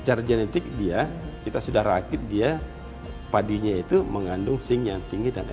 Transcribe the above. secara genetik dia kita sudah rakit dia padinya itu mengandung sing yang tinggi dan es